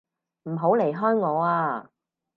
唔好離開我啊！